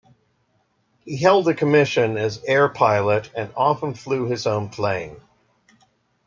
He held a commission as Air Pilot and often flew his own plane.